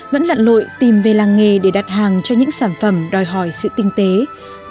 vẫn lặn lội tìm về làng nghề để đặt hàng cho những sản phẩm đòi hỏi sự tình yêu